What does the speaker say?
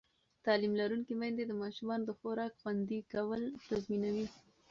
تعلیم لرونکې میندې د ماشومانو د خوراک خوندي کول تضمینوي.